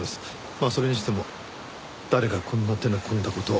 まあそれにしても誰がこんな手の込んだ事を。